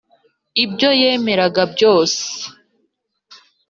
ibyo yemeraga byose,